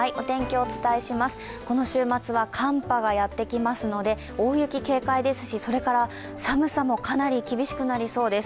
この週末は寒波がやってきますので大雪警戒ですし、寒さもかなり厳しくなりそうです。